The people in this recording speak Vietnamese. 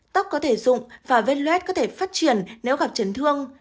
tóc có thể dụng và ven luet có thể phát triển nếu gặp chấn thương